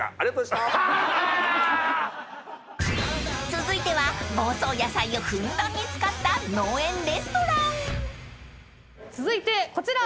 ［続いては房総野菜をふんだんに使った農園レストラン］続いてこちら。